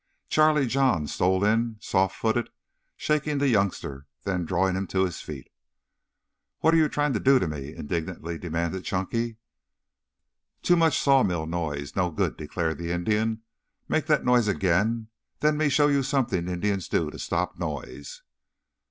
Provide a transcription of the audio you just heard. Charlie John stole in soft footed, shaking the youngster, then drawing him to his feet. "What are you trying to do to me?" indignantly demanded Chunky. "Too much saw mill noise no good," declared the Indian. "Make that noise again, then me show you something Indians do to stop noise."